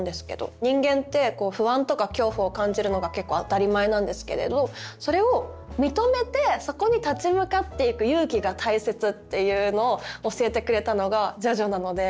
人間ってこう不安とか恐怖を感じるのが結構当たり前なんですけれどそれを認めてそこに立ち向かっていく「勇気」が大切っていうのを教えてくれたのが「ジョジョ」なので。